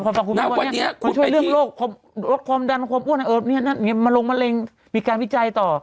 มันช่วยเรื่องโรคความดันความป้วยดังเอิ่มอีกลงมะเร็งมีการวิจัยต่อ